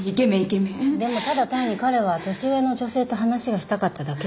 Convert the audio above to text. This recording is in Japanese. でもただ単に彼は年上の女性と話がしたかっただけですよね。